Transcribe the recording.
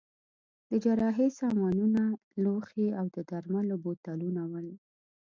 د جراحۍ سامانونه، لوښي او د درملو بوتلونه ول.